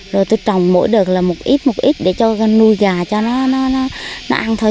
rồi tôi trồng mỗi đợt là một ít một ít để cho nuôi gà cho nó ăn thôi